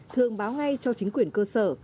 thường báo ngay cho chính quyền cơ sở